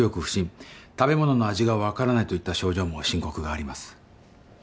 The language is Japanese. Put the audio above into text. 不振食べ物の味がわからないといった症状も申告があります。